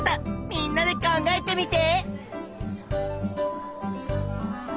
みんなで考えてみて！